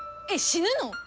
えっ死ぬの？